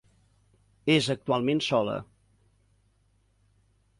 És actualment sola.